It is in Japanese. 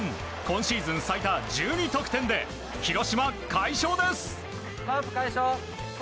今シーズン最多１２得点で広島、快勝です！